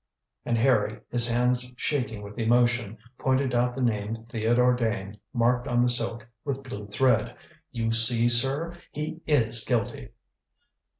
And Harry, his hands shaking with emotion, pointed out the name "Theodore Dane" marked on the silk, with blue thread. "You see, sir. He is guilty."